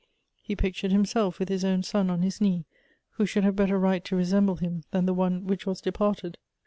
He pictured himself with his own son on his knee, who should liave better right to resemble him than the one which was departed.